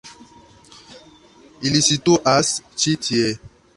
Ili situas ĉi tie.